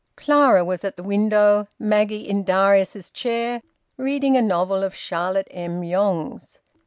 Clara was at the window, Maggie in Darius's chair reading a novel of Charlotte M. Yonge's.